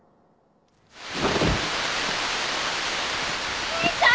お兄ちゃん！